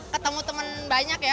ketemu temen banyak ya